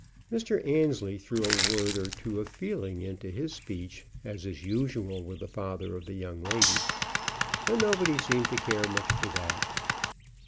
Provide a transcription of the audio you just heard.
Mr. Annesley threw a word or two of feeling into his speech, as is usual with the father of the young lady, but nobody seemed to care much for that.